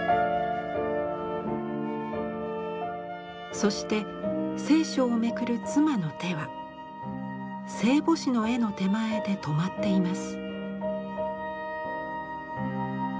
そして聖書をめくる妻の手は聖母子の絵の手前で止まっています。